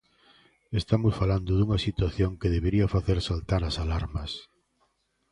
Estamos falando dunha situación que debería facer saltar as alarmas.